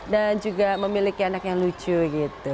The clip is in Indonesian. dan juga memiliki anak yang lucu gitu